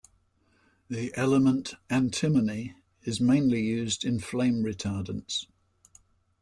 The element antimony is mainly used in flame retardants.